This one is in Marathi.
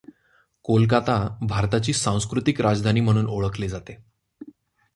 कोलकाता भारताची सांस्कृतिक राजधानी म्हणून ओळखले जाते.